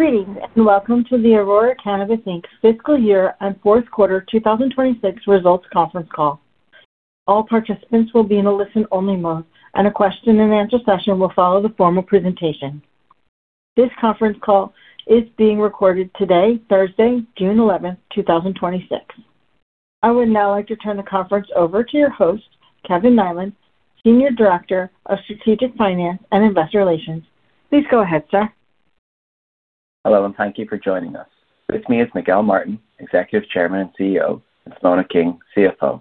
Greetings, and welcome to the Aurora Cannabis Inc.'s fiscal year and fourth quarter 2026 results conference call. All participants will be in a listen-only mode, and a question and answer session will follow the formal presentation. This conference call is being recorded today, Thursday, June 11th, 2026. I would now like to turn the conference over to your host, Kevin Niland, Senior Director of Strategic Finance and Investor Relations. Please go ahead, sir. Hello, and thank you for joining us. With me is Miguel Martin, Executive Chairman and CEO, and Simona King, CFO.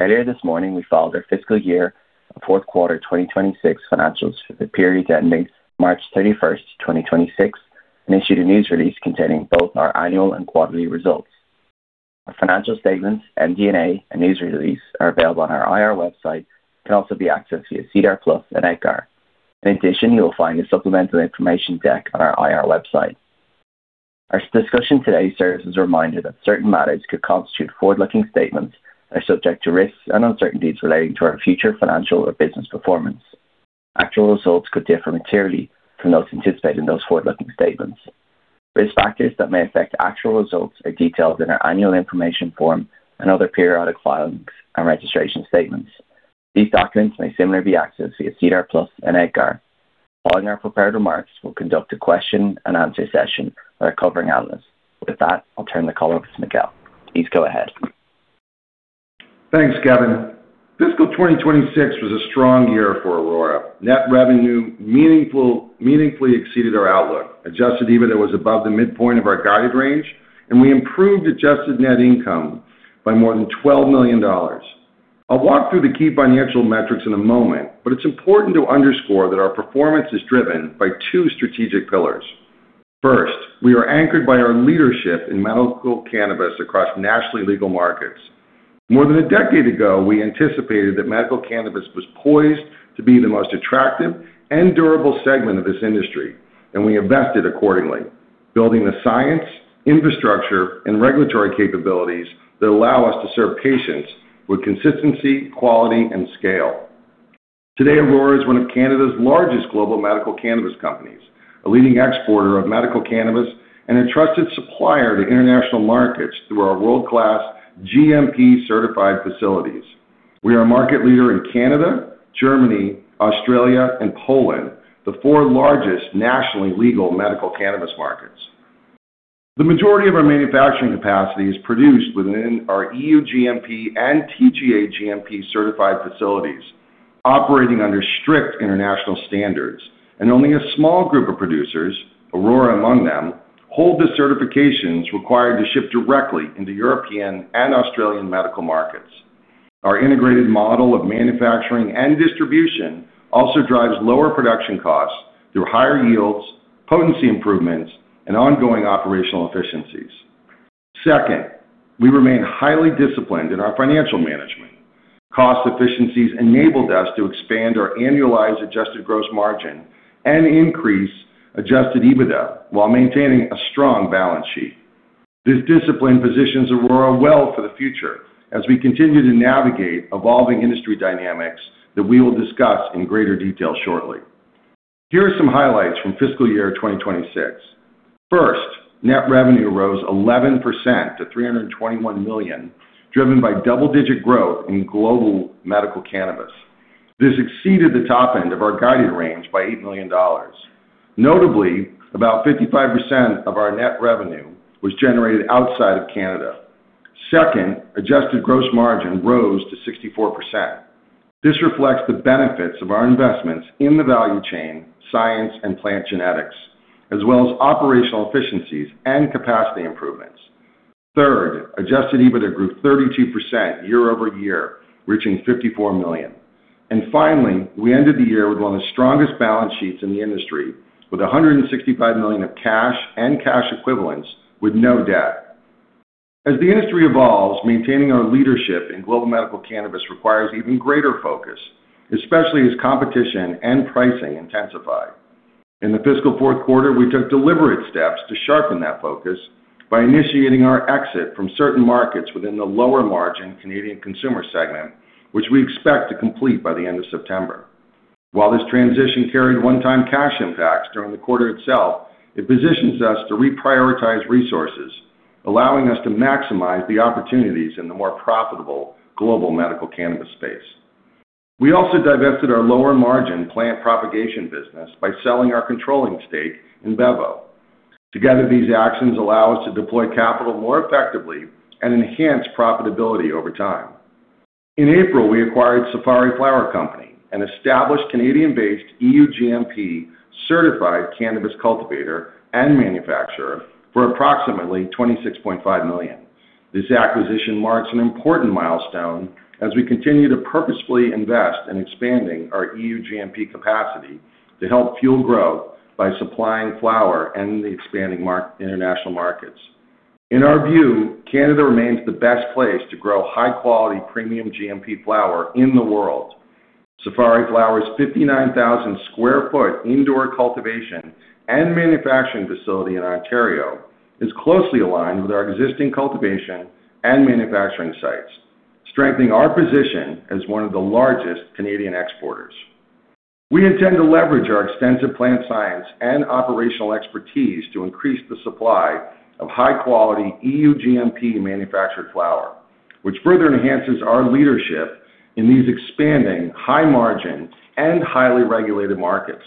Earlier this morning, we filed our fiscal year and fourth quarter 2026 financials for the period ending March 31st, 2026, and issued a news release containing both our annual and quarterly results. Our financial statements, MD&A, and news release are available on our IR website, and can also be accessed via SEDAR+ and EDGAR. In addition, you will find a supplemental information deck on our IR website. Our discussion today serves as a reminder that certain matters could constitute forward-looking statements that are subject to risks and uncertainties relating to our future financial or business performance. Actual results could differ materially from those anticipated in those forward-looking statements. Risk factors that may affect actual results are detailed in our annual information form and other periodic filings and registration statements. These documents may similarly be accessed via SEDAR+ and EDGAR. Following our prepared remarks, we will conduct a question and answer session with our covering analysts. With that, I'll turn the call over to Miguel. Please go ahead. Thanks, Kevin. Fiscal 2026 was a strong year for Aurora. Net revenue meaningfully exceeded our outlook. adjusted EBITDA was above the midpoint of our guided range, and we improved adjusted net income by more than 12 million dollars. I'll walk through the key financial metrics in a moment, but it's important to underscore that our performance is driven by two strategic pillars. First, we are anchored by our leadership in medical cannabis across nationally legal markets. More than a decade ago, we anticipated that medical cannabis was poised to be the most attractive and durable segment of this industry, and we invested accordingly, building the science, infrastructure, and regulatory capabilities that allow us to serve patients with consistency, quality, and scale. Today, Aurora is one of Canada's largest global medical cannabis companies, a leading exporter of medical cannabis, and a trusted supplier to international markets through our world-class GMP-certified facilities. We are a market leader in Canada, Germany, Australia, and Poland, the four largest nationally legal medical cannabis markets. The majority of our manufacturing capacity is produced within our EU GMP and TGA GMP certified facilities, operating under strict international standards and only a small group of producers, Aurora among them, hold the certifications required to ship directly into European and Australian medical markets. Our integrated model of manufacturing and distribution also drives lower production costs through higher yields, potency improvements, and ongoing operational efficiencies. Second, we remain highly disciplined in our financial management. Cost efficiencies enabled us to expand our annualized adjusted gross margin and increase adjusted EBITDA while maintaining a strong balance sheet. This discipline positions Aurora well for the future as we continue to navigate evolving industry dynamics that we will discuss in greater detail shortly. Here are some highlights from fiscal year 2026. First, net revenue rose 11% to 321 million, driven by double-digit growth in global medical cannabis. This exceeded the top end of our guided range by 8 million dollars. Notably, about 55% of our net revenue was generated outside of Canada. Second, adjusted gross margin rose to 64%. This reflects the benefits of our investments in the value chain, science and plant genetics, as well as operational efficiencies and capacity improvements. Third, adjusted EBITDA grew 32% year-over-year, reaching 54 million. Finally, we ended the year with one of the strongest balance sheets in the industry, with 165 million of cash and cash equivalents with no debt. As the industry evolves, maintaining our leadership in global medical cannabis requires even greater focus, especially as competition and pricing intensify. In the fiscal fourth quarter, we took deliberate steps to sharpen that focus by initiating our exit from certain markets within the lower-margin Canadian consumer segment, which we expect to complete by the end of September. While this transition carried one-time cash impacts during the quarter itself, it positions us to reprioritize resources, allowing us to maximize the opportunities in the more profitable global medical cannabis space. We also divested our lower-margin plant propagation business by selling our controlling stake in Bevo. Together, these actions allow us to deploy capital more effectively and enhance profitability over time. In April, we acquired Safari Flower Company, an established Canadian-based EU GMP certified cannabis cultivator and manufacturer, for approximately 26.5 million. This acquisition marks an important milestone as we continue to purposefully invest in expanding our EU GMP capacity to help fuel growth by supplying flower in the expanding international markets. In our view, Canada remains the best place to grow high-quality, premium GMP flower in the world. Safari Flower's 59,000 sq ft indoor cultivation and manufacturing facility in Ontario is closely aligned with our existing cultivation and manufacturing sites, strengthening our position as one of the largest Canadian exporters. We intend to leverage our extensive plant science and operational expertise to increase the supply of high-quality EU GMP-manufactured flower, which further enhances our leadership in these expanding high-margin and highly regulated markets.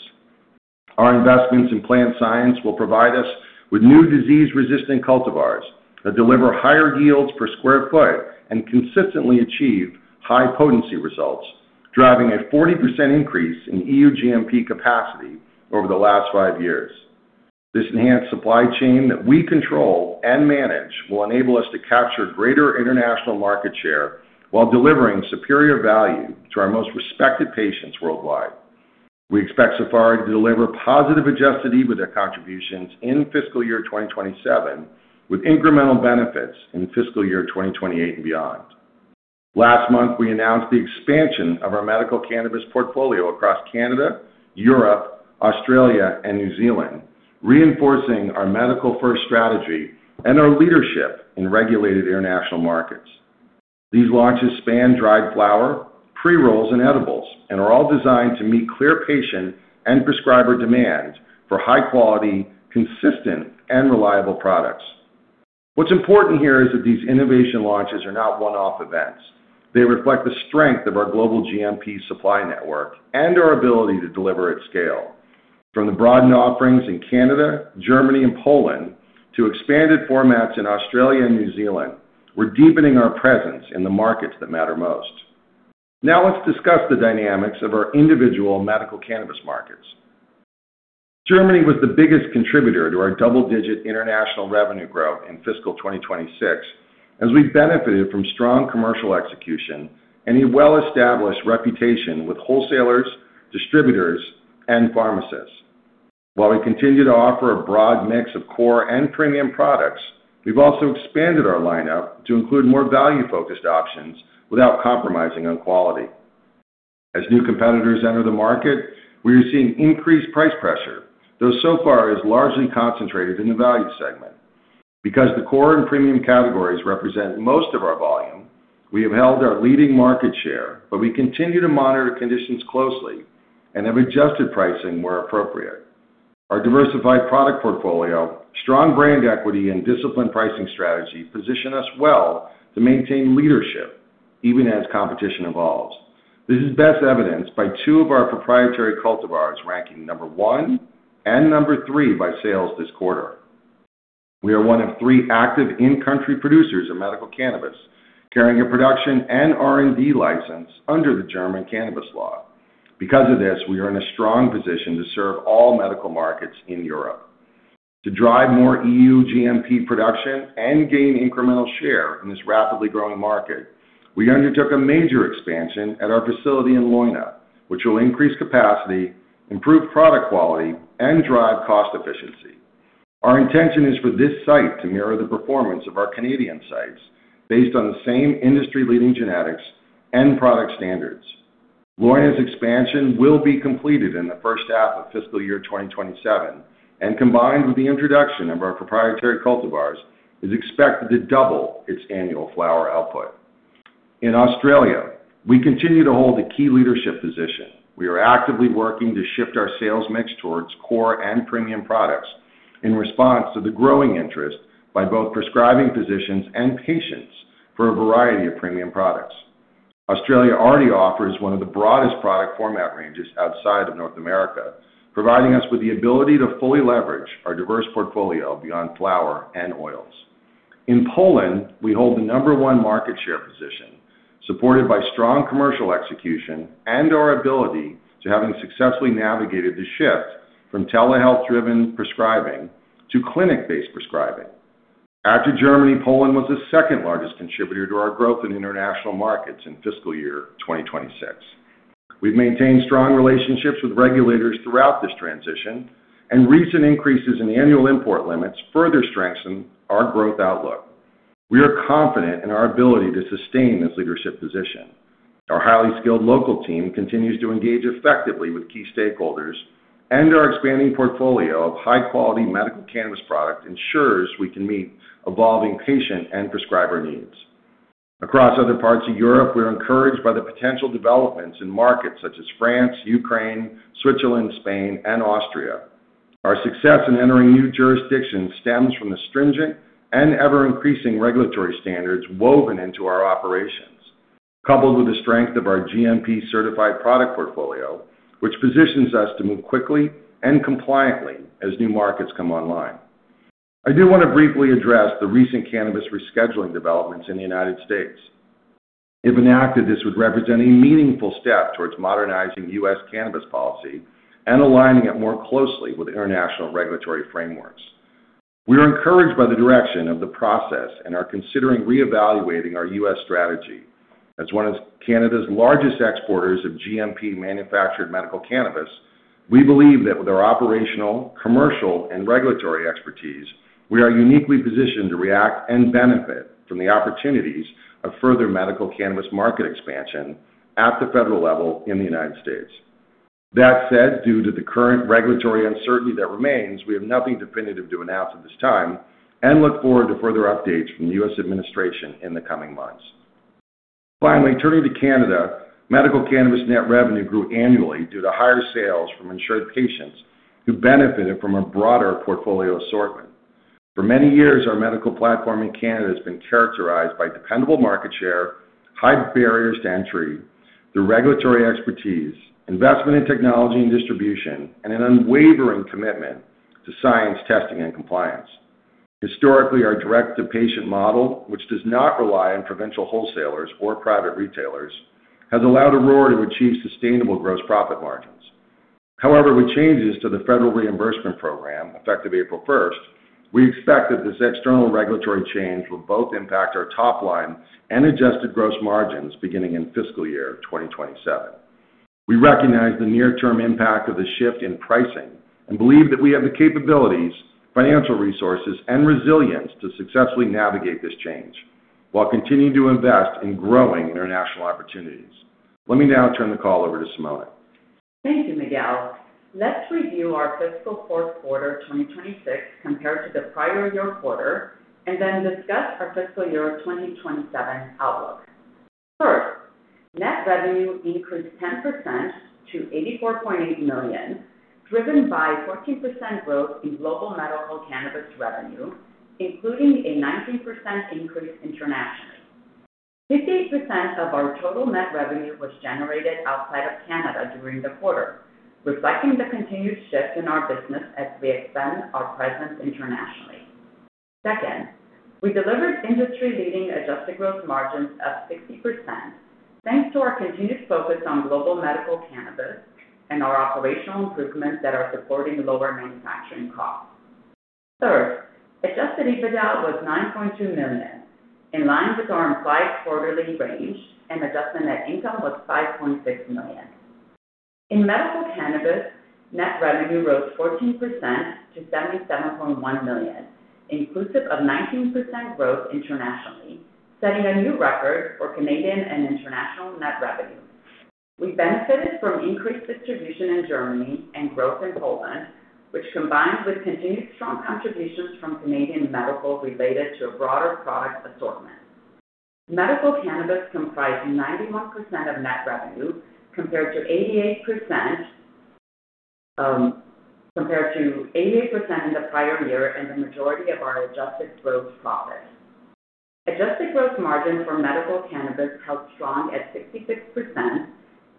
Our investments in plant science will provide us with new disease-resistant cultivars that deliver higher yields per square foot and consistently achieve high potency results, driving a 40% increase in EU GMP capacity over the last five years. This enhanced supply chain that we control and manage will enable us to capture greater international market share while delivering superior value to our most respected patients worldwide. We expect Safari to deliver positive adjusted EBITDA contributions in fiscal year 2027, with incremental benefits in fiscal year 2028 and beyond. Last month, we announced the expansion of our medical cannabis portfolio across Canada, Europe, Australia, and New Zealand, reinforcing our medical-first strategy and our leadership in regulated international markets. These launches span dried flower, pre-rolls, and edibles and are all designed to meet clear patient and prescriber demand for high-quality, consistent, and reliable products. What's important here is that these innovation launches are not one-off events. They reflect the strength of our global GMP supply network and our ability to deliver at scale. From the broadened offerings in Canada, Germany, and Poland to expanded formats in Australia and New Zealand, we're deepening our presence in the markets that matter most. Let's discuss the dynamics of our individual medical cannabis markets. Germany was the biggest contributor to our double-digit international revenue growth in fiscal 2026, as we benefited from strong commercial execution and a well-established reputation with wholesalers, distributors, and pharmacists. While we continue to offer a broad mix of core and premium products, we've also expanded our lineup to include more value-focused options without compromising on quality. As new competitors enter the market, we are seeing increased price pressure, though so far it is largely concentrated in the value segment. Because the core and premium categories represent most of our volume, we have held our leading market share, but we continue to monitor conditions closely and have adjusted pricing where appropriate. Our diversified product portfolio, strong brand equity, and disciplined pricing strategy position us well to maintain leadership even as competition evolves. This is best evidenced by two of our proprietary cultivars ranking number one and number three by sales this quarter. We are one of three active in-country producers of medical cannabis, carrying a production and R&D license under the German cannabis law. Because of this, we are in a strong position to serve all medical markets in Europe. To drive more EU GMP production and gain incremental share in this rapidly growing market, we undertook a major expansion at our facility in Leuna, which will increase capacity, improve product quality, and drive cost efficiency. Our intention is for this site to mirror the performance of our Canadian sites based on the same industry-leading genetics and product standards. Leuna's expansion will be completed in the first half of fiscal year 2027 and, combined with the introduction of our proprietary cultivars, is expected to double its annual flower output. In Australia, we continue to hold a key leadership position. We are actively working to shift our sales mix towards core and premium products in response to the growing interest by both prescribing physicians and patients for a variety of premium products. Australia already offers one of the broadest product format ranges outside of North America, providing us with the ability to fully leverage our diverse portfolio beyond flower and oils. In Poland, we hold the number one market share position, supported by strong commercial execution and our ability to having successfully navigated the shift from telehealth-driven prescribing to clinic-based prescribing. After Germany, Poland was the second-largest contributor to our growth in international markets in fiscal year 2026. We've maintained strong relationships with regulators throughout this transition, and recent increases in annual import limits further strengthen our growth outlook. We are confident in our ability to sustain this leadership position. Our highly skilled local team continues to engage effectively with key stakeholders, and our expanding portfolio of high-quality medical cannabis product ensures we can meet evolving patient and prescriber needs. Across other parts of Europe, we are encouraged by the potential developments in markets such as France, Ukraine, Switzerland, Spain, and Austria. Our success in entering new jurisdictions stems from the stringent and ever-increasing regulatory standards woven into our operations, coupled with the strength of our GMP-certified product portfolio, which positions us to move quickly and compliantly as new markets come online. I do want to briefly address the recent cannabis rescheduling developments in the U.S. If enacted, this would represent a meaningful step towards modernizing U.S. cannabis policy and aligning it more closely with international regulatory frameworks. We are encouraged by the direction of the process and are considering reevaluating our U.S. strategy. As one of Canada's largest exporters of GMP-manufactured medical cannabis, we believe that with our operational, commercial, and regulatory expertise, we are uniquely positioned to react and benefit from the opportunities of further medical cannabis market expansion at the federal level in the U.S. That said, due to the current regulatory uncertainty that remains, we have nothing definitive to announce at this time and look forward to further updates from the U.S. administration in the coming months. Turning to Canada, medical cannabis net revenue grew annually due to higher sales from insured patients who benefited from a broader portfolio assortment. For many years, our medical platform in Canada has been characterized by dependable market share, high barriers to entry through regulatory expertise, investment in technology and distribution, and an unwavering commitment to science, testing, and compliance. Historically, our direct-to-patient model, which does not rely on provincial wholesalers or private retailers, has allowed Aurora to achieve sustainable gross profit margins. With changes to the federal reimbursement program effective April 1st, we expect that this external regulatory change will both impact our top line and adjusted gross margins beginning in fiscal year 2027. We recognize the near-term impact of the shift in pricing and believe that we have the capabilities, financial resources, and resilience to successfully navigate this change while continuing to invest in growing international opportunities. Let me now turn the call over to Simona. Thank you, Miguel. Let's review our fiscal fourth quarter 2026 compared to the prior year quarter, then discuss our fiscal year 2027 outlook. First, net revenue increased 10% to 84.8 million, driven by 14% growth in global medical cannabis revenue, including a 19% increase internationally. 58% of our total net revenue was generated outside of Canada during the quarter, reflecting the continued shift in our business as we expand our presence internationally. Second, we delivered industry-leading adjusted gross margins of 60%, thanks to our continued focus on global medical cannabis and our operational improvements that are supporting lower manufacturing costs. Third, adjusted EBITDA was 9.2 million, in line with our implied quarterly range, and adjusted net income was 5.6 million. In medical cannabis, net revenue rose 14% to 77.1 million, inclusive of 19% growth internationally, setting a new record for Canadian and international net revenue. We benefited from increased distribution in Germany and growth in Poland, which combines with continued strong contributions from Canadian medical related to a broader product assortment. Medical cannabis comprised 91% of net revenue compared to 88% in the prior year and the majority of our adjusted gross profit. Adjusted gross margin for medical cannabis held strong at 66%,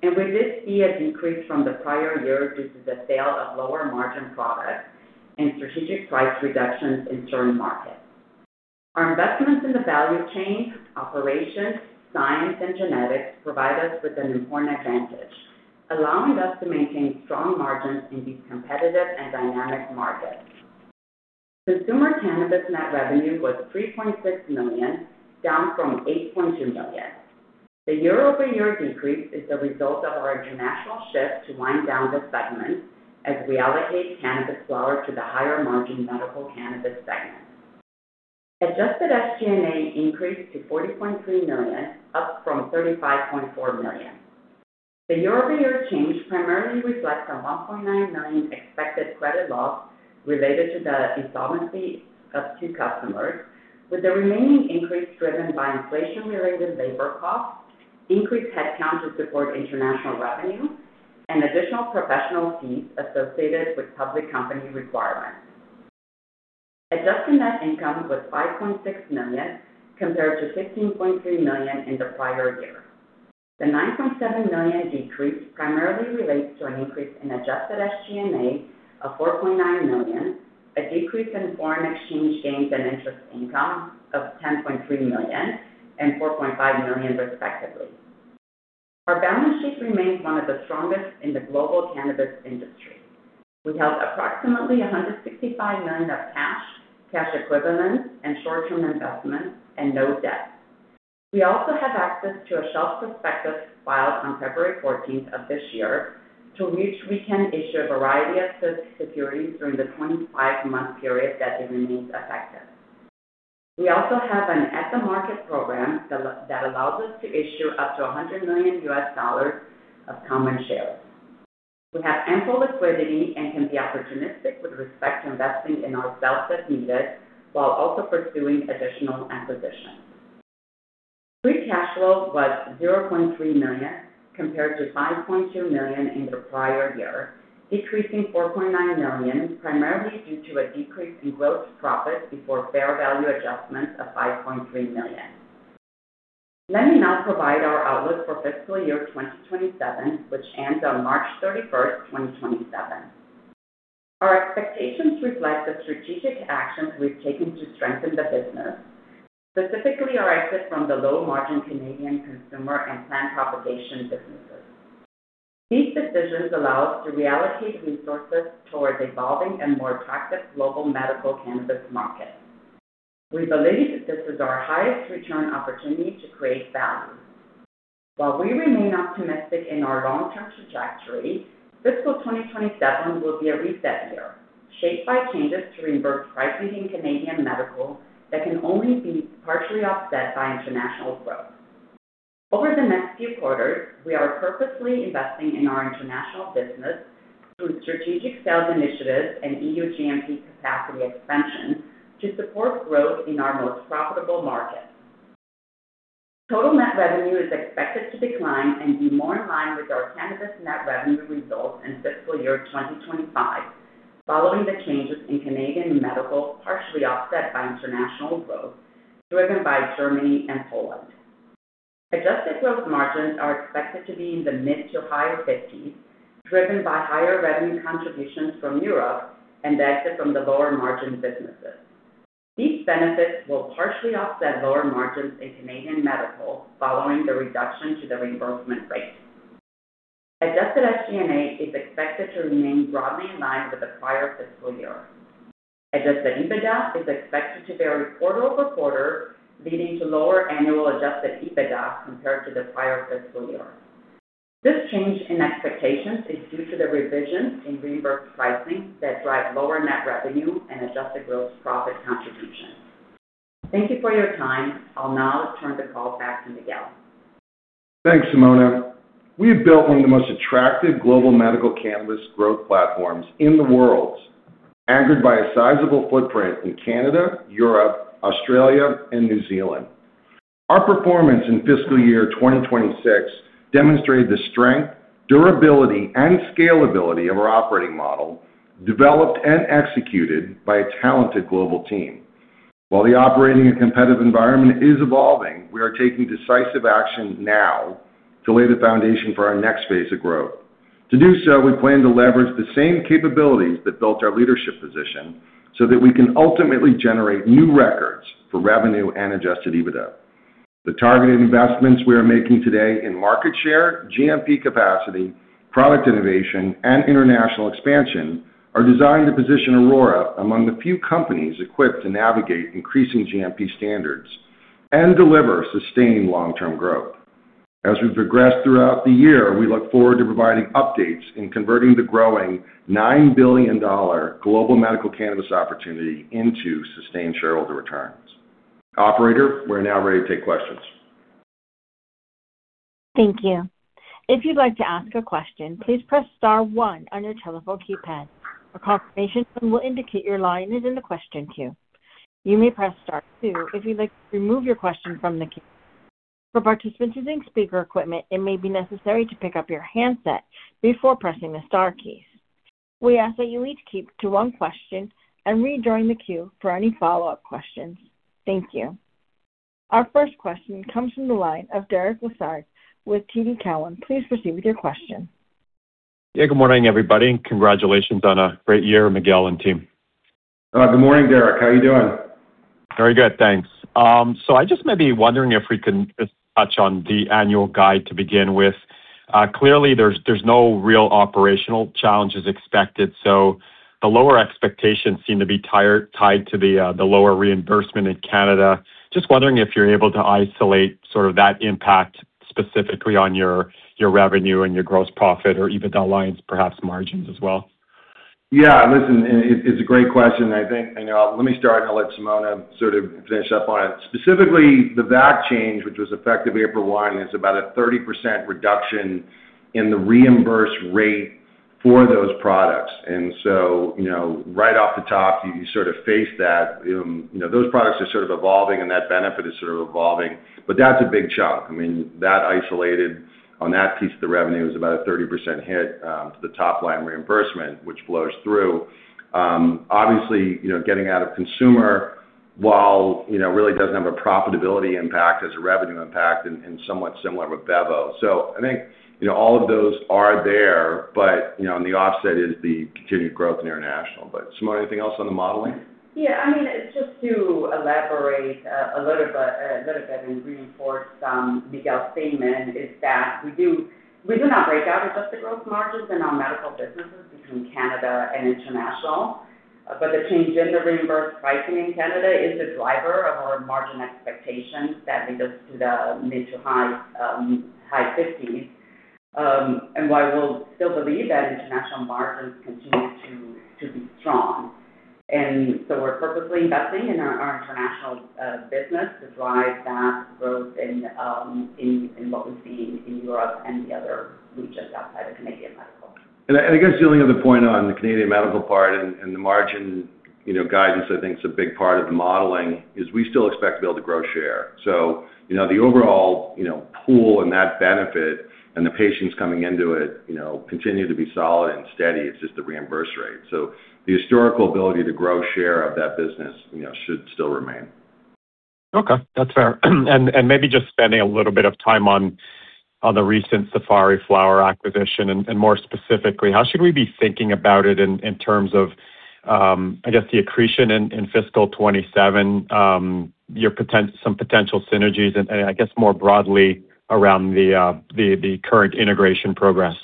and we did see a decrease from the prior year due to the sale of lower-margin products and strategic price reductions in certain markets. Our investments in the value chain, operations, science, and genetics provide us with an important advantage, allowing us to maintain strong margins in these competitive and dynamic markets. Consumer cannabis net revenue was 3.6 million, down from 8.2 million. The year-over-year decrease is the result of our international shift to wind down the segment as we allocate cannabis flower to the higher-margin medical cannabis segment. Adjusted SG&A increased to 40.3 million, up from 35.4 million. The year-over-year change primarily reflects a 1.9 million expected credit loss related to the insolvency of two customers, with the remaining increase driven by inflation-related labor costs, increased headcount to support international revenue, and additional professional fees associated with public company requirements. Adjusted net income was 5.6 million, compared to 16.3 million in the prior year. The 9.7 million decrease primarily relates to an increase in adjusted SG&A of 4.9 million, a decrease in foreign exchange gains and interest income of 10.3 million and 4.5 million respectively. Our balance sheet remains one of the strongest in the global cannabis industry. We held approximately 165 million of cash equivalents, and short-term investments, and no debt. We also have access to a shelf prospectus filed on February 14th of this year, through which we can issue a variety of securities during the 25-month period that it remains effective. We also have an at-the-market program that allows us to issue up to $100 million US of common shares. We have ample liquidity and can be opportunistic with respect to investing in ourselves as needed, while also pursuing additional acquisitions. Free cash flow was 0.3 million, compared to 5.2 million in the prior year, decreasing 4.9 million, primarily due to a decrease in gross profit before fair value adjustments of 5.3 million. Let me now provide our outlook for fiscal year 2027, which ends on March 31st, 2027. Our expectations reflect the strategic actions we've taken to strengthen the business, specifically our exit from the low-margin Canadian consumer and plant propagation businesses. These decisions allow us to reallocate resources towards evolving and more attractive global medical cannabis markets. We believe that this is our highest return opportunity to create value. While we remain optimistic in our long-term trajectory, fiscal 2027 will be a reset year, shaped by changes to reimbursed pricing in Canadian medical that can only be partially offset by international growth. Over the next few quarters, we are purposely investing in our international business through strategic sales initiatives and EU GMP capacity expansion to support growth in our most profitable markets. Total net revenue is expected to decline and be more in line with our cannabis net revenue results in fiscal year 2025, following the changes in Canadian medical, partially offset by international growth driven by Germany and Poland. Adjusted gross margins are expected to be in the mid-to-higher 50s, driven by higher revenue contributions from Europe and the exit from the lower-margin businesses. These benefits will partially offset lower margins in Canadian medical following the reduction to the reimbursement rate. Adjusted SG&A is expected to remain broadly in line with the prior fiscal year. Adjusted EBITDA is expected to vary quarter-over-quarter, leading to lower annual adjusted EBITDA compared to the prior fiscal year. This change in expectations is due to the revisions in reimbursed pricing that drive lower net revenue and adjusted gross profit contributions. Thank you for your time. I'll now turn the call back to Miguel. Thanks, Simona. We have built one of the most attractive global medical cannabis growth platforms in the world, anchored by a sizable footprint in Canada, Europe, Australia, and New Zealand. Our performance in fiscal year 2026 demonstrated the strength, durability, and scalability of our operating model, developed and executed by a talented global team. While the operating and competitive environment is evolving, we are taking decisive action now to lay the foundation for our next phase of growth. To do so, we plan to leverage the same capabilities that built our leadership position so that we can ultimately generate new records for revenue and adjusted EBITDA. The targeted investments we are making today in market share, GMP capacity, product innovation, and international expansion are designed to position Aurora among the few companies equipped to navigate increasing GMP standards and deliver sustained long-term growth. As we progress throughout the year, we look forward to providing updates in converting the growing 9 billion dollar global medical cannabis opportunity into sustained shareholder returns. Operator, we're now ready to take questions. Thank you. If you'd like to ask a question, please press star one on your telephone keypad. A confirmation tone will indicate your line is in the question queue. You may press star two if you'd like to remove your question from the queue. For participants using speaker equipment, it may be necessary to pick up your handset before pressing the star keys. We ask that you each keep to one question and rejoin the queue for any follow-up questions. Thank you. Our first question comes from the line of Derek Lessard with TD Cowen. Please proceed with your question. Yeah, good morning, everybody, congratulations on a great year, Miguel and team. Good morning, Derek. How are you doing? Very good, thanks. I just may be wondering if we can just touch on the annual guide to begin with. Clearly, there's no real operational challenges expected, the lower expectations seem to be tied to the lower reimbursement in Canada. Just wondering if you're able to isolate that impact specifically on your revenue and your gross profit or EBITDA lines, perhaps margins as well. Yeah, listen, it's a great question. Let me start, and I'll let Simona finish up on it. Specifically, the VAC change, which was effective April one, is about a 30% reduction in the reimbursed rate for those products. Right off the top, you face that. Those products are evolving and that benefit is evolving, that's a big chunk. That isolated on that piece of the revenue is about a 30% hit to the top-line reimbursement, which flows through. Obviously, getting out of consumer, while really doesn't have a profitability impact, has a revenue impact and somewhat similar with Bevo. I think all of those are there, on the offset is the continued growth in international. Simona, anything else on the modeling? Yeah. Just to elaborate a little bit and reinforce Miguel's statement, we do not break out adjusted gross margins in our medical businesses between Canada and international, but the change in the reimbursed pricing in Canada is a driver of our margin expectations that lead us to the mid to high 50s, and why we'll still believe that international margins continue to be strong. We're purposely investing in our international business to drive that growth in what we see in Europe and the other regions outside of Canadian medical. I guess the only other point on the Canadian medical part and the margin guidance, I think is a big part of the modeling, is we still expect to be able to grow share. The overall pool and that benefit and the patients coming into it continue to be solid and steady. It's just the reimbursed rate. The historical ability to grow share of that business should still remain. Okay, that's fair. Maybe just spending a little bit of time on the recent Safari Flower acquisition, and more specifically, how should we be thinking about it in terms of, I guess, the accretion in fiscal 2027, some potential synergies, and I guess more broadly around the current integration progress?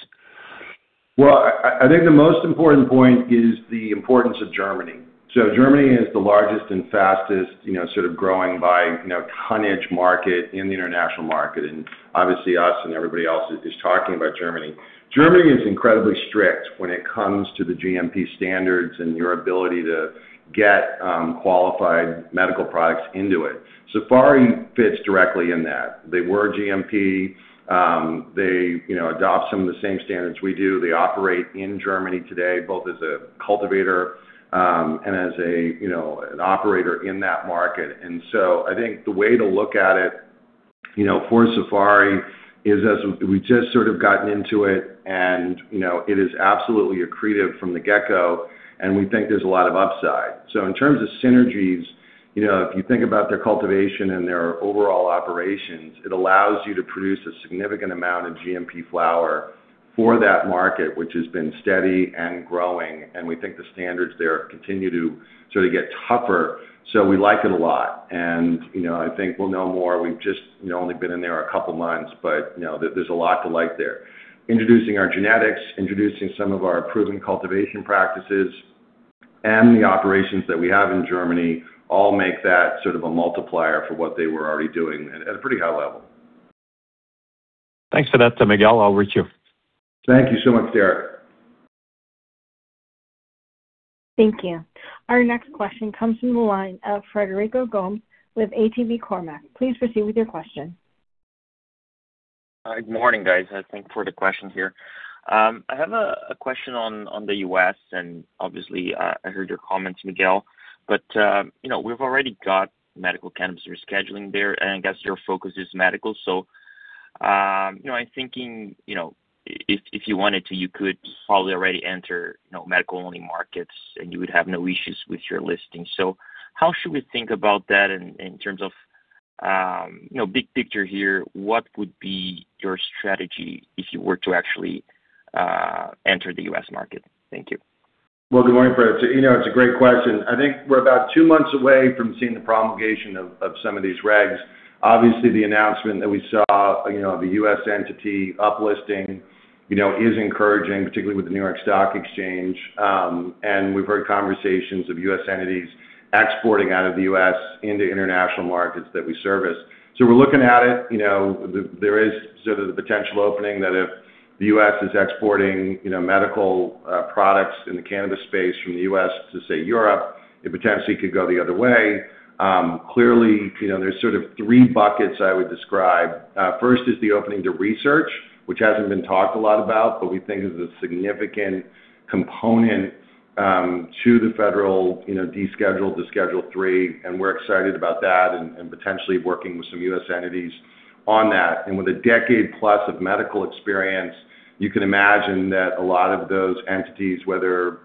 Well, I think the most important point is the importance of Germany. Germany is the largest and fastest growing by tonnage market in the international market, and obviously us and everybody else is talking about Germany. Germany is incredibly strict when it comes to the GMP standards and your ability to get qualified medical products into it. Safari fits directly in that. They were GMP. They adopt some of the same standards we do. They operate in Germany today, both as a cultivator and as an operator in that market. I think the way to look at it, for Safari, we've just sort of gotten into it, and it is absolutely accretive from the get-go, and we think there's a lot of upside. In terms of synergies, if you think about their cultivation and their overall operations, it allows you to produce a significant amount of GMP flower for that market, which has been steady and growing, and we think the standards there continue to sort of get tougher. We like it a lot. I think we'll know more. We've just only been in there a couple months, but there's a lot to like there. Introducing our genetics, introducing some of our proven cultivation practices, and the operations that we have in Germany all make that sort of a multiplier for what they were already doing at a pretty high level. Thanks for that. To Miguel, over to you. Thank you so much, Derek. Thank you. Our next question comes from the line of Frederico Gomes with ATB Cormark. Please proceed with your question. Good morning, guys. Thanks for the question here. I have a question on the U.S., and obviously, I heard your comments, Miguel, but we've already got medical cannabis rescheduling there, and I guess your focus is medical. If you wanted to, you could probably already enter medical-only markets, and you would have no issues with your listing. How should we think about that in terms of big picture here, what would be your strategy if you were to actually enter the U.S. market? Thank you. Well, good morning, Fred. It's a great question. I think we're about two months away from seeing the promulgation of some of these regs. Obviously, the announcement that we saw of a U.S. entity up-listing is encouraging, particularly with the New York Stock Exchange. We've heard conversations of U.S. entities exporting out of the U.S. into international markets that we service. We're looking at it. There is sort of the potential opening that if the U.S. is exporting medical products in the cannabis space from the U.S. to, say, Europe, it potentially could go the other way. Clearly, there's sort of three buckets I would describe. First is the opening to research, which hasn't been talked a lot about, but we think is a significant component to the federal deschedule to Schedule III, and we're excited about that and potentially working with some U.S. entities on that. With a decade plus of medical experience, you can imagine that a lot of those entities, whether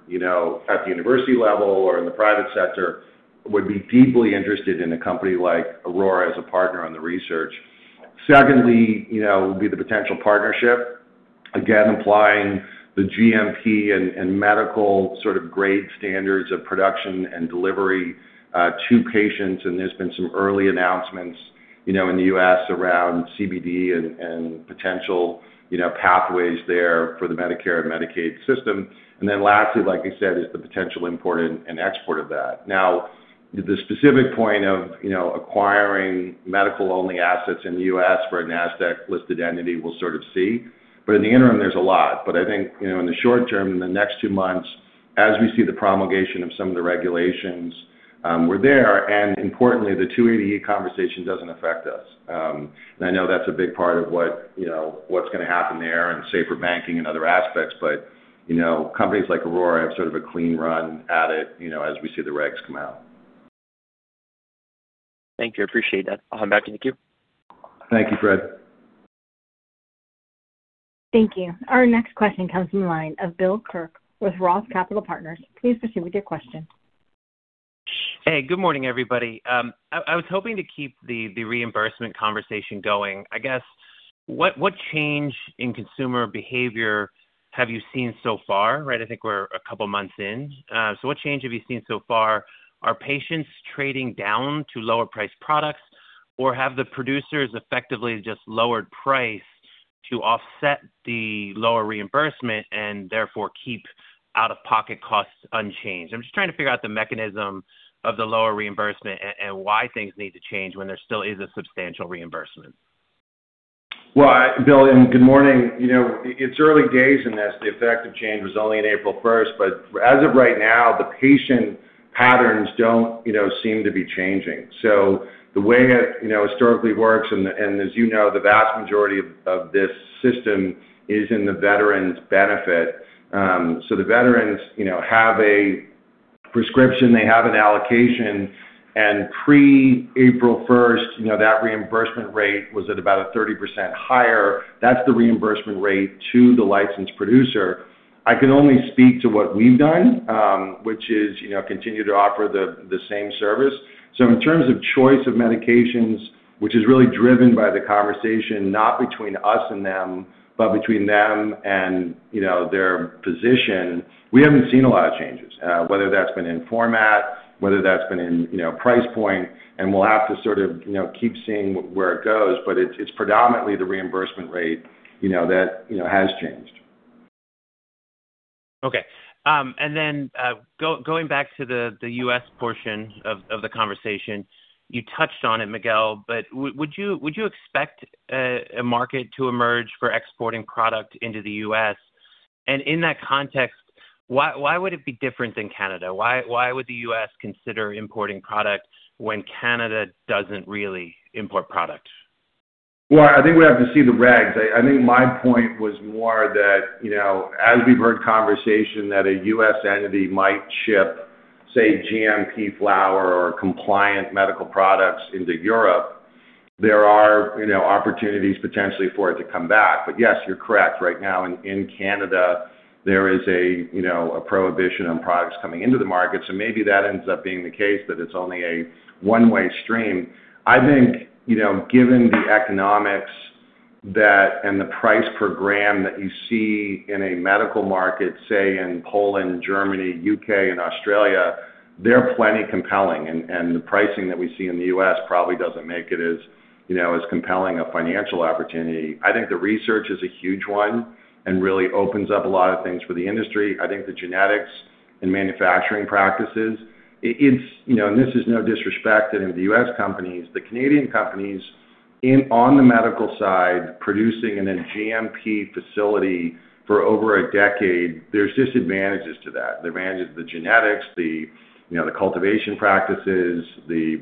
at the university level or in the private sector, would be deeply interested in a company like Aurora as a partner on the research. Secondly, would be the potential partnership, again, applying the GMP and medical sort of grade standards of production and delivery to patients, and there's been some early announcements in the U.S. around CBD and potential pathways there for the Medicare and Medicaid system. Lastly, like you said, is the potential import and export of that. The specific point of acquiring medical-only assets in the U.S. for a Nasdaq-listed entity, we'll sort of see. But in the interim, there's a lot. I think, in the short term, in the next two months, as we see the promulgation of some of the regulations, we're there, and importantly, the Section 280E conversation doesn't affect us. I know that's a big part of what's going to happen there and safer banking and other aspects, but companies like Aurora have sort of a clean run at it, as we see the regs come out. Thank you. I appreciate that. I'll hand back to you. Thank you, Fred. Thank you. Our next question comes from the line of Bill Kirk with ROTH Capital Partners. Please proceed with your question. Hey, good morning, everybody. I was hoping to keep the reimbursement conversation going. I guess, what change in consumer behavior have you seen so far, right? I think we're a couple of months in. What change have you seen so far? Are patients trading down to lower-priced products, or have the producers effectively just lowered price to offset the lower reimbursement and therefore keep out-of-pocket costs unchanged? I'm just trying to figure out the mechanism of the lower reimbursement and why things need to change when there still is a substantial reimbursement. Well, Bill, good morning. It is early days in this. The effective change was only in April 1st, but as of right now, the patient patterns do not seem to be changing. The way it historically works, and as you know, the vast majority of this system is in the veterans benefit. The veterans have a prescription, they have an allocation, and pre-April 1st, that reimbursement rate was at about a 30% higher. That is the reimbursement rate to the licensed producer. I can only speak to what we have done, which is continue to offer the same service. In terms of choice of medications, which is really driven by the conversation, not between us and them, but between them and their physician, we have not seen a lot of changes, whether that has been in format, whether that has been in price point, and we will have to sort of keep seeing where it goes, but it is predominantly the reimbursement rate that has changed. Okay. Going back to the U.S. portion of the conversation, you touched on it, Miguel, but would you expect a market to emerge for exporting product into the U.S.? In that context, why would it be different than Canada? Why would the U.S. consider importing product when Canada does not really import product? Well, I think we have to see the regs. I think my point was more that, as we have heard conversation that a U.S. entity might ship, say, GMP flower or compliant medical products into Europe, there are opportunities potentially for it to come back. Yes, you are correct. Right now in Canada, there is a prohibition on products coming into the market. Maybe that ends up being the case, that it is only a one-way stream. I think, given the economics that, and the price per gram that you see in a medical market, say in Poland, Germany, U.K. and Australia, they are plenty compelling. The pricing that we see in the U.S. probably does not make it as compelling a financial opportunity. I think the research is a huge one and really opens up a lot of things for the industry. I think the genetics and manufacturing practices, this is no disrespect to any of the U.S. companies, the Canadian companies on the medical side, producing in a GMP facility for over a decade, there's disadvantages to that. The advantage is the genetics, the cultivation practices,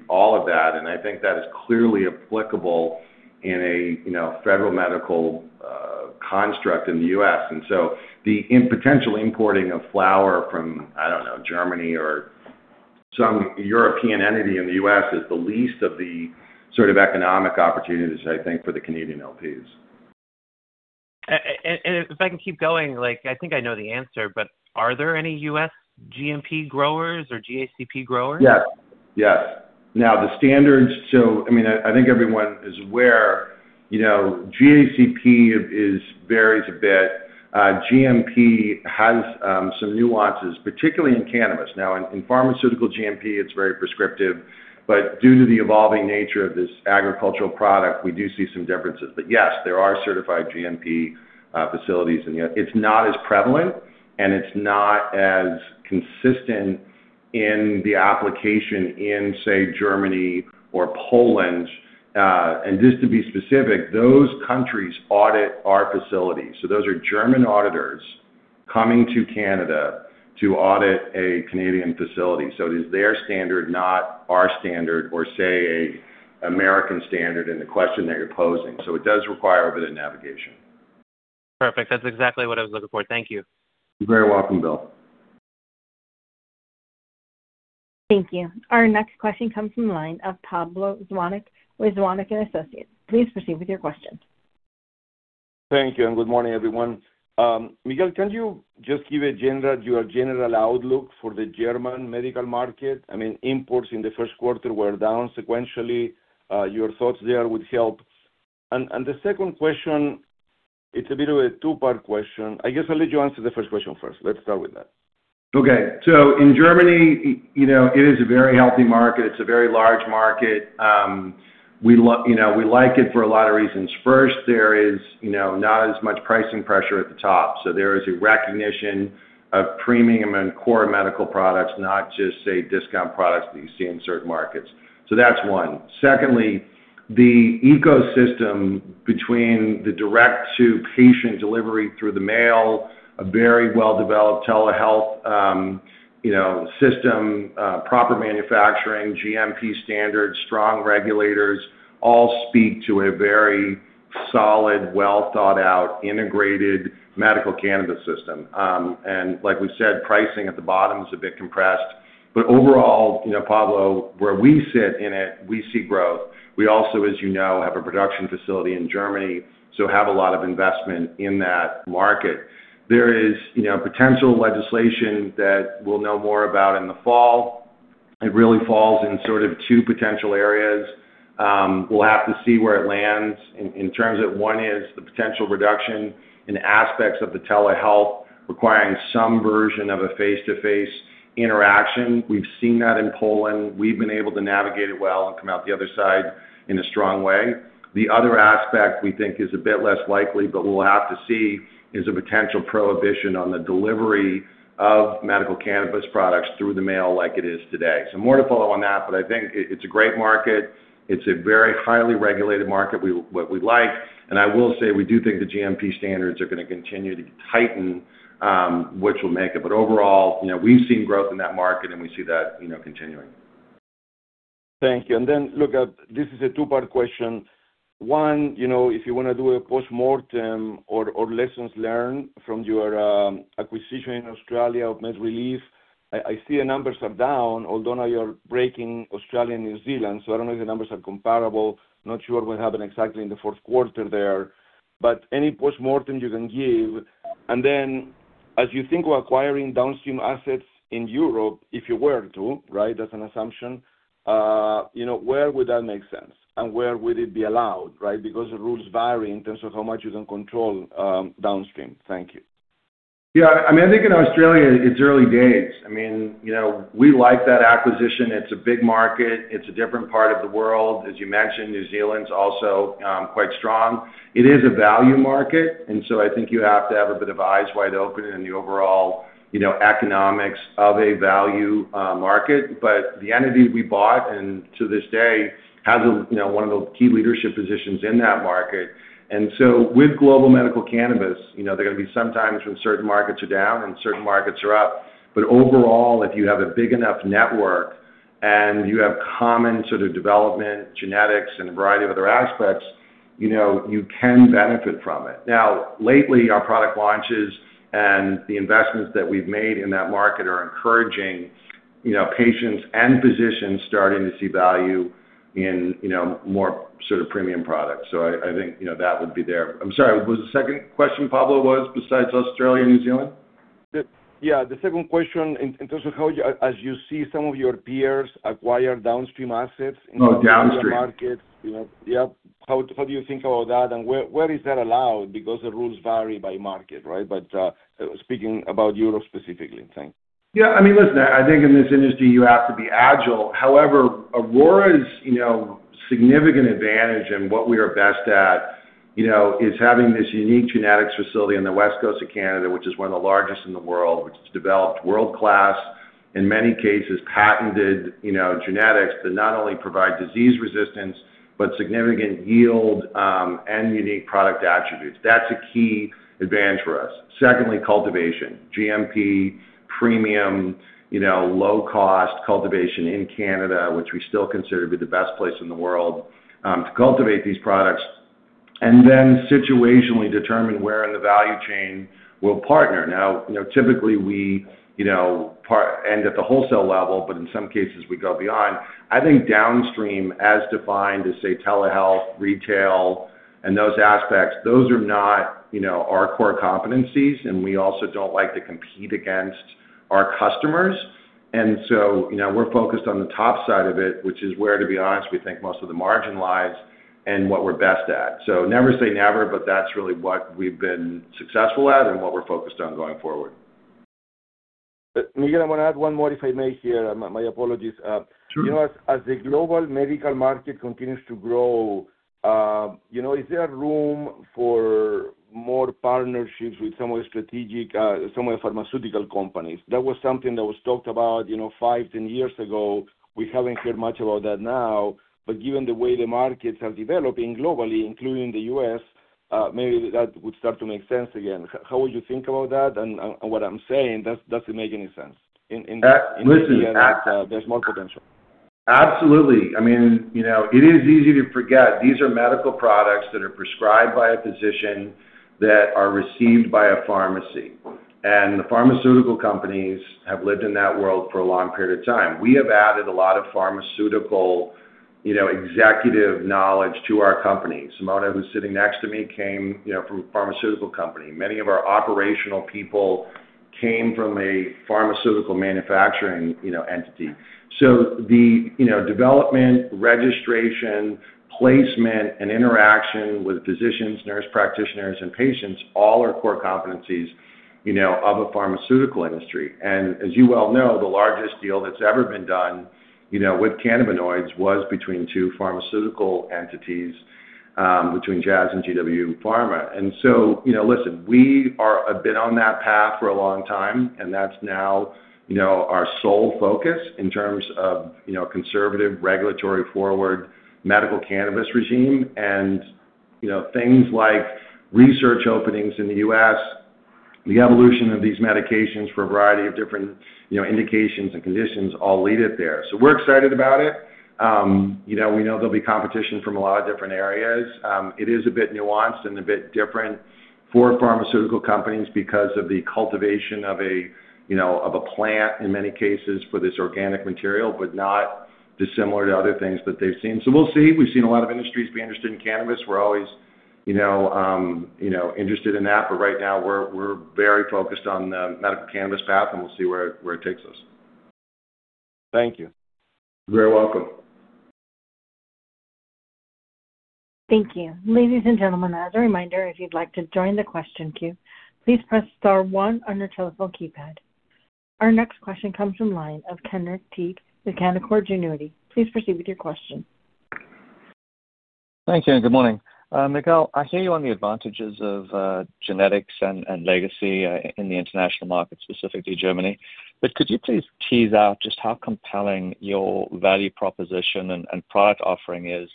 all of that, and I think that is clearly applicable in a federal medical construct in the U.S. The potential importing of flower from, I don't know, Germany or some European entity in the U.S. is the least of the sort of economic opportunities, I think, for the Canadian LPs. If I can keep going, I think I know the answer, but are there any U.S. GMP growers or GACP growers? Yes. The standards, I think everyone is aware, GACP varies a bit. GMP has some nuances, particularly in cannabis. In pharmaceutical GMP, it's very prescriptive, due to the evolving nature of this agricultural product, we do see some differences. Yes, there are certified GMP facilities, it's not as prevalent and it's not as consistent in the application in, say, Germany or Poland. Just to be specific, those countries audit our facilities. Those are German auditors coming to Canada to audit a Canadian facility. It is their standard, not our standard or say, an American standard in the question that you're posing. It does require a bit of navigation. Perfect. That's exactly what I was looking for. Thank you. You're very welcome, Bill. Thank you. Our next question comes from the line of Pablo Zuanic with Zuanic & Associates. Please proceed with your question. Thank you, and good morning, everyone. Miguel, can you just give a general, your general outlook for the German medical market? Imports in the first quarter were down sequentially. Your thoughts there would help. The second question, it's a bit of a two-part question. I guess I'll let you answer the first question first. Let's start with that. In Germany, it is a very healthy market. It's a very large market. We like it for a lot of reasons. First, there is not as much pricing pressure at the top. There is a recognition of premium and core medical products, not just, say, discount products that you see in certain markets. That's one. Secondly, the ecosystem between the direct-to-patient delivery through the mail, a very well-developed telehealth system, proper manufacturing, GMP standards, strong regulators, all speak to a very solid, well-thought-out, integrated medical cannabis system. Like we said, pricing at the bottom is a bit compressed. Overall, Pablo, where we sit in it, we see growth. We also, as you know, have a production facility in Germany, so have a lot of investment in that market. There is potential legislation that we'll know more about in the fall. It really falls in sort of two potential areas. We'll have to see where it lands. In terms of one is the potential reduction in aspects of the telehealth requiring some version of a face-to-face interaction. We've seen that in Poland. We've been able to navigate it well and come out the other side in a strong way. The other aspect we think is a bit less likely, but we'll have to see, is a potential prohibition on the delivery of medical cannabis products through the mail like it is today. More to follow on that, but I think it's a great market. It's a very highly regulated market, what we like. I will say, we do think the GMP standards are going to continue to tighten, which will make it. Overall, we've seen growth in that market, and we see that continuing. Thank you. Look, this is a two-part question. One, if you want to do a postmortem or lessons learned from your acquisition in Australia of MedReleaf, I see the numbers are down, although now you're breaking Australia and New Zealand, so I don't know if the numbers are comparable, not sure what happened exactly in the fourth quarter there. Any postmortem you can give? As you think of acquiring downstream assets in Europe, if you were to, right, as an assumption, where would that make sense and where would it be allowed, right? Because the rules vary in terms of how much you can control downstream. Thank you. I think in Australia, it's early days. We like that acquisition. It's a big market. It's a different part of the world. As you mentioned, New Zealand's also quite strong. It is a value market, so I think you have to have a bit of eyes wide open in the overall economics of a value market. The entity we bought, and to this day, has one of the key leadership positions in that market. With global medical cannabis, there are going to be some times when certain markets are down and certain markets are up. Overall, if you have a big enough network and you have common sort of development, genetics, and a variety of other aspects-You can benefit from it. Lately, our product launches and the investments that we've made in that market are encouraging patients and physicians starting to see value in more premium products. I think that would be there. I'm sorry, what the second question, Pablo was, besides Australia and New Zealand? Yeah, the second question, in terms of as you see some of your peers acquire downstream assets- downstream in other markets. Yep. How do you think about that, where is that allowed? The rules vary by market, right? Speaking about Europe specifically. Thanks. Yeah. Listen, I think in this industry, you have to be agile. However, Aurora's significant advantage and what we are best at is having this unique genetics facility on the west coast of Canada, which is one of the largest in the world, which has developed world-class, in many cases, patented genetics that not only provide disease resistance, but significant yield, and unique product attributes. That's a key advantage for us. Secondly, cultivation. GMP, premium, low cost cultivation in Canada, which we still consider to be the best place in the world to cultivate these products. Then situationally determine where in the value chain we'll partner. Now typically we end at the wholesale level, in some cases we go beyond. I think downstream as defined as, say, telehealth, retail, and those aspects, those are not our core competencies, we also don't like to compete against our customers. We're focused on the top side of it, which is where, to be honest, we think most of the margin lies and what we're best at. Never say never, but that's really what we've been successful at and what we're focused on going forward. Miguel, I want to add one more if I may here. My apologies. Sure. As the global medical market continues to grow, is there room for more partnerships with some of the strategic, some of the pharmaceutical companies? That was something that was talked about, five, 10 years ago. We haven't heard much about that now, but given the way the markets are developing globally, including the U.S., maybe that would start to make sense again. How would you think about that? What I'm saying, does it make any sense? Listen- There's more potential. Absolutely. It is easy to forget, these are medical products that are prescribed by a physician, that are received by a pharmacy. The pharmaceutical companies have lived in that world for a long period of time. We have added a lot of pharmaceutical executive knowledge to our company. Simona, who's sitting next to me, came from a pharmaceutical company. Many of our operational people came from a pharmaceutical manufacturing entity. The development, registration, placement, and interaction with physicians, nurse practitioners, and patients, all are core competencies of a pharmaceutical industry. As you well know, the largest deal that's ever been done with cannabinoids was between two pharmaceutical entities, between Jazz and GW Pharma. Listen, we have been on that path for a long time, and that's now our sole focus in terms of conservative, regulatory forward medical cannabis regime. Things like research openings in the U.S., the evolution of these medications for a variety of different indications and conditions all lead it there. We're excited about it. We know there'll be competition from a lot of different areas. It is a bit nuanced and a bit different for pharmaceutical companies because of the cultivation of a plant, in many cases, for this organic material, but not dissimilar to other things that they've seen. We'll see. We've seen a lot of industries be interested in cannabis. We're always interested in that. Right now, we're very focused on the medical cannabis path, and we'll see where it takes us. Thank you. You're very welcome. Thank you. Ladies and gentlemen, as a reminder, if you'd like to join the question queue, please press star one on your telephone keypad. Our next question comes from the line of Kenric Tyghe with Canaccord Genuity. Please proceed with your question. Thank you. Good morning. Miguel, I hear you on the advantages of genetics and legacy in the international market, specifically Germany. Could you please tease out just how compelling your value proposition and product offering is,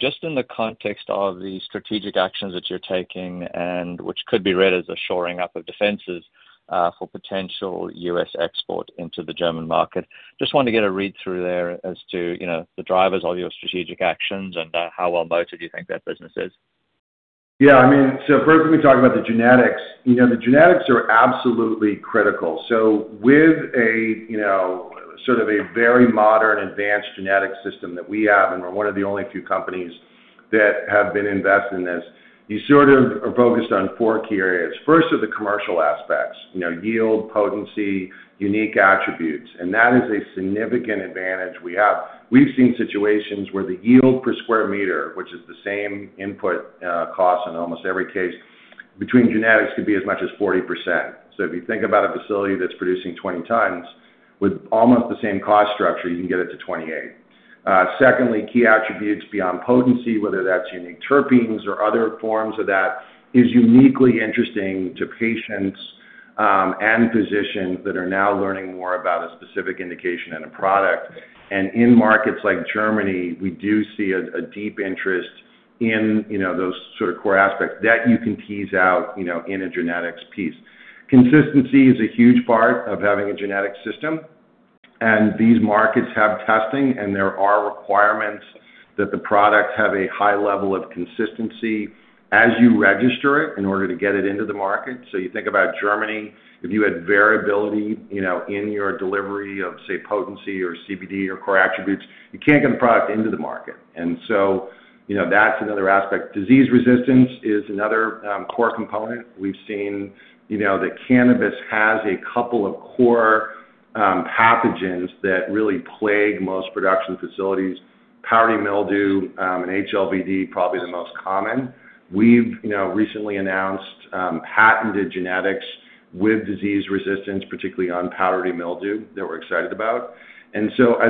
just in the context of the strategic actions that you're taking, and which could be read as a shoring up of defenses, for potential U.S. export into the German market? Just wanted to get a read through there as to the drivers of your strategic actions and how well-motivated you think that business is. First let me talk about the genetics. The genetics are absolutely critical. With a sort of a very modern, advanced genetic system that we have, and we're one of the only few companies that have been invested in this, you sort of are focused on four key areas. First are the commercial aspects. Yield, potency, unique attributes. That is a significant advantage we have. We've seen situations where the yield per square meter, which is the same input cost in almost every case between genetics, could be as much as 40%. If you think about a facility that's producing 20 tons, with almost the same cost structure, you can get it to 28. Secondly, key attributes beyond potency, whether that's unique terpenes or other forms of that, is uniquely interesting to patients and physicians that are now learning more about a specific indication and a product. In markets like Germany, we do see a deep interest in those sort of core aspects. That you can tease out in a genetics piece. Consistency is a huge part of having a genetics system. These markets have testing, and there are requirements that the products have a high level of consistency as you register it in order to get it into the market. You think about Germany, if you had variability in your delivery of, say, potency or CBD or core attributes, you can't get the product into the market. That's another aspect. Disease resistance is another core component. We've seen that cannabis has a couple of core pathogens that really plague most production facilities, powdery mildew, and HLVd, probably the most common. We've recently announced patented genetics with disease resistance, particularly on powdery mildew, that we're excited about. I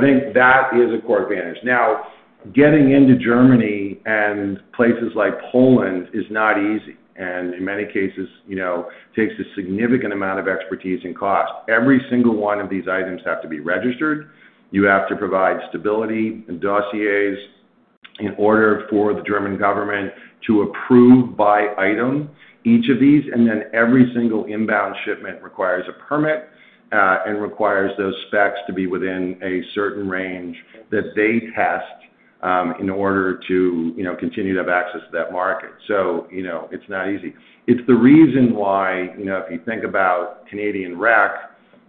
think that is a core advantage. Now, getting into Germany and places like Poland is not easy, and in many cases, takes a significant amount of expertise and cost. Every single one of these items have to be registered. You have to provide stability and dossiers in order for the German government to approve by item each of these, and then every single inbound shipment requires a permit, and requires those specs to be within a certain range that they test, in order to continue to have access to that market. It's not easy. It's the reason why, if you think about Canadian rec,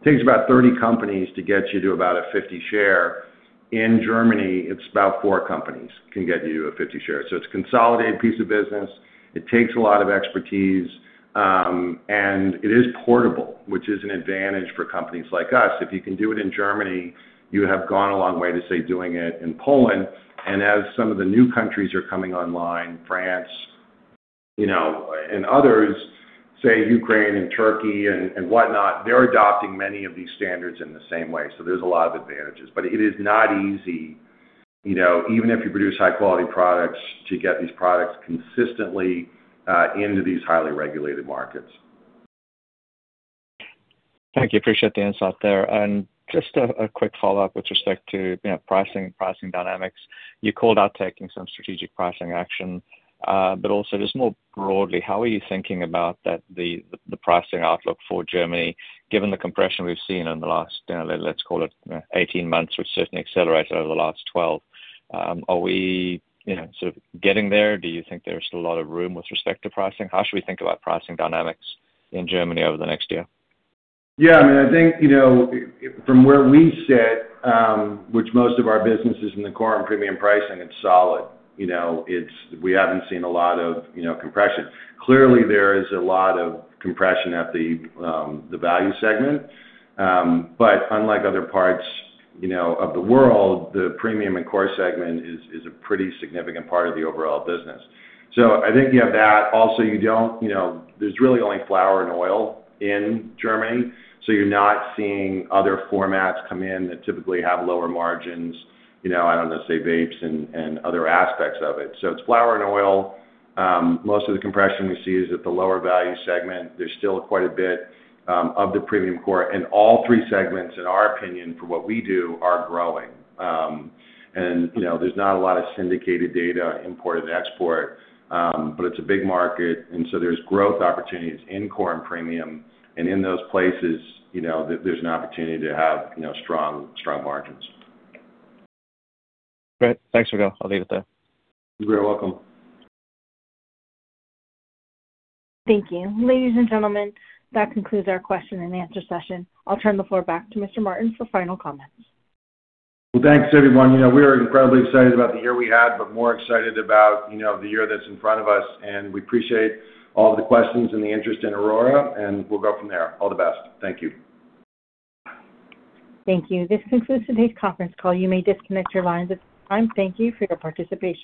takes about 30 companies to get you to about a 50 share. In Germany, it's about four companies can get you a 50 share. It's a consolidated piece of business. It takes a lot of expertise. It is portable, which is an advantage for companies like us. If you can do it in Germany, you have gone a long way to, say, doing it in Poland. As some of the new countries are coming online, France and others, say, Ukraine and Turkey and whatnot, they're adopting many of these standards in the same way. There's a lot of advantages. But it is not easy, even if you produce high-quality products, to get these products consistently into these highly regulated markets. Thank you. Appreciate the insight there. Just a quick follow-up with respect to pricing dynamics. You called out taking some strategic pricing action. But also, just more broadly, how are you thinking about the pricing outlook for Germany, given the compression we've seen in the last, let's call it 18 months, which certainly accelerated over the last 12. Are we sort of getting there? Do you think there's still a lot of room with respect to pricing? How should we think about pricing dynamics in Germany over the next year? Yeah, I think, from where we sit, which most of our business is in the core and premium pricing, it's solid. We haven't seen a lot of compression. Clearly, there is a lot of compression at the value segment, but unlike other parts of the world, the premium and core segment is a pretty significant part of the overall business. I think you have that. Also, there's really only flower and oil in Germany, so you're not seeing other formats come in that typically have lower margins. I don't know, say, vapes and other aspects of it. It's flower and oil. Most of the compression we see is at the lower value segment. There's still quite a bit of the premium core, and all three segments, in our opinion, for what we do, are growing. There's not a lot of syndicated data import and export, but it's a big market, and so there's growth opportunities in core and premium. In those places, there's an opportunity to have strong margins. Great. Thanks, Miguel. I'll leave it there. You're very welcome. Thank you. Ladies and gentlemen, that concludes our question and answer session. I'll turn the floor back to Mr. Martin for final comments. Well, thanks, everyone. We are incredibly excited about the year we had, but more excited about the year that's in front of us, and we appreciate all the questions and the interest in Aurora, and we'll go from there. All the best. Thank you. Thank you. This concludes today's conference call. You may disconnect your lines at this time. Thank you for your participation.